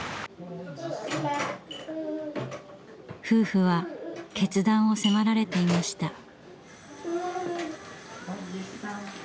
夫婦は決断を迫られていました。